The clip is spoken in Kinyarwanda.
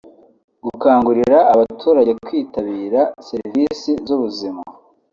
gukangurira abaturage kwitabira serivisi z’ubuzima